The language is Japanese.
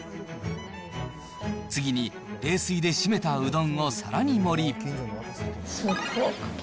次に冷水でしめたうどんを皿に盛り。